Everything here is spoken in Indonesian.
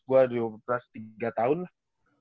gua di bawah pras tiga tahun lah